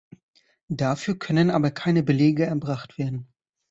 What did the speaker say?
Dafür können aber keine Belege erbracht werden.